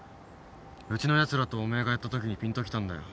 うちのやつらとおめえがやったときにピンときたんだよ。